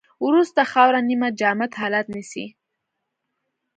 وروسته خاوره نیمه جامد حالت نیسي